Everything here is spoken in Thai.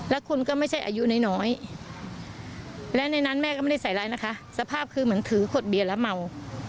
แล้วคุณก็ไม่ใช่อายุน้อยและในนั้นแม่ก็ไม่ได้ใส่ร้ายนะคะสภาพคือเหมือนถือขวดเบียนแล้วเมา